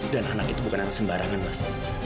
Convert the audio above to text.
dan anak itu bukan anak sembarangan mas